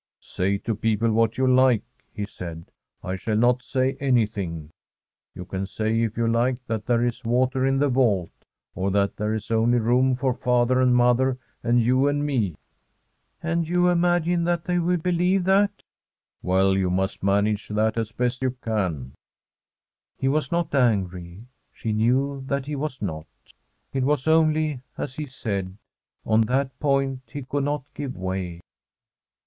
' Say to people what you like/ he said ;' I shall not say anything. You can say, if you like, that there is water in the vault, or that there is only room for father and mother and you and me/ [339 f Frpm d SWEDISH HOMESTEAD ' And you imagine that they will believe that f *' Well, you must manage that as best you can/ He was not angry ; she knew that he was not It was only as he said : on that point he could not give way.